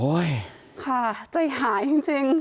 โอ้ยค่ะใจหายจริง